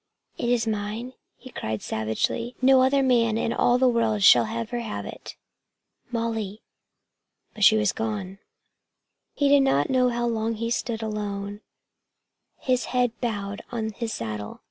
"It is mine!" he cried savagely. "No other man in all the world shall ever have it! Molly!" But she now was gone. He did not know how long he stood alone, his head bowed on his saddle.